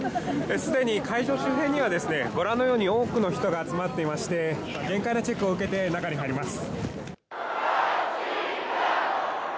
既に会場周辺にはご覧のように多くの人が集まっていまして、厳戒なチェックを受けて中に入ります。